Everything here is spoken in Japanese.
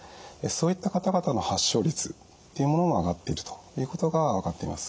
そういった方々の発症率っていうものも上がっているということが分かっています。